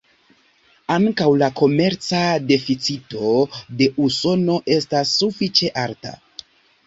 Ankaŭ la komerca deficito de Usono estas sufiĉe alta.